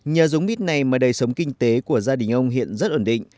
nhờ giống mít này mà đời sống kinh tế của gia đình ông hiện rất ổn định